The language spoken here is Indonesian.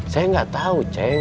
saya nggak tahu ceng